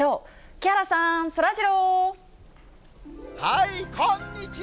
木原さん、そらジロー。